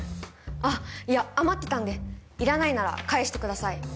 あっいや余ってたんでいらないなら返してください。